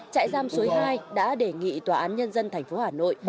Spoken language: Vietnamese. trại giam suối hai đã đề nghị tòa án nhân dân tp hà nội